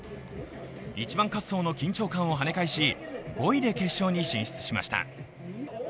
１番滑走の緊張感を跳ね返し、５位で決勝に進出しました。